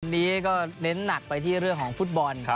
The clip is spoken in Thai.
วันนี้ก็เน้นหนักไปที่เรื่องของฟุตบอล